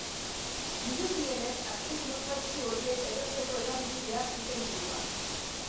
Dirudienez, artikulu faltsu horiek erosteko erabili behar zuten dirua.